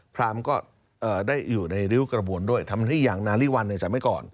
พรามก็ได้อยู่ในริ้วกระบวนด้วยทำให้อย่างนาริวัลในสมัยก่อน